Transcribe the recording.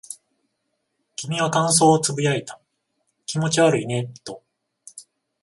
君は感想を呟いた。気持ち悪いねと。